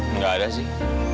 nggak ada sih